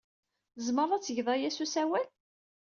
Tzemred ad tged aya s usawal.